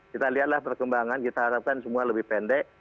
kita lihatlah perkembangan kita harapkan semua lebih pendek